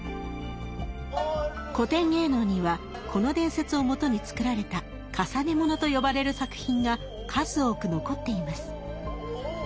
古典芸能にはこの伝説をもとに作られた「累物」と呼ばれる作品が数多く残っています。